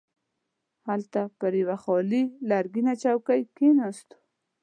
هلته پر یوه خالي لرګینه چوکۍ کښیناستو.